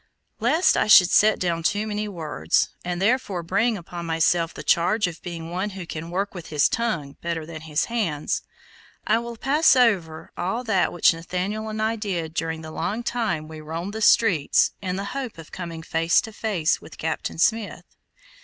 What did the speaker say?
Lest I should set down too many words, and therefore bring upon myself the charge of being one who can work with his tongue better than with his hands, I will pass over all that which Nathaniel and I did during the long time we roamed the streets, in the hope of coming face to face with Captain Smith.